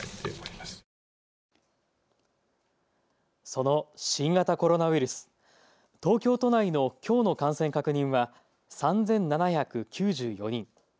その新型コロナウイルス、東京都内のきょうの感染確認は３７９４人。